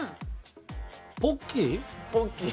ポッキー？